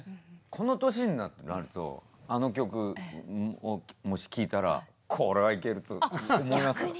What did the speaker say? この年になるとあの曲をもし聴いたらこれはいけると思いますよ。